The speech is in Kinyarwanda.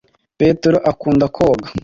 petero akunda koga.